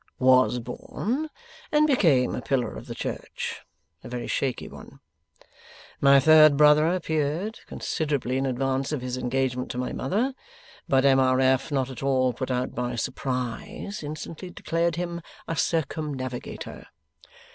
Was born, and became a pillar of the church; a very shaky one. My third brother appeared, considerably in advance of his engagement to my mother; but M. R. F., not at all put out by surprise, instantly declared him a Circumnavigator.